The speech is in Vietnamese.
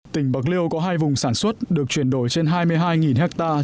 tỉnh bạc liêu có hai vùng sản xuất được chuyển đổi trên hai mươi hai ha